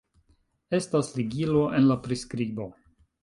Estas ligilo en la priskribo